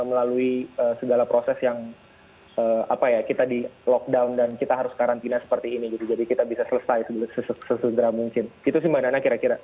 melalui segala proses yang apa ya kita di lockdown dan kita harus karantina seperti ini gitu jadi kita bisa selesai sesegera mungkin itu sih mbak nana kira kira